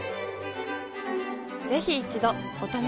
ぜひ一度お試しを。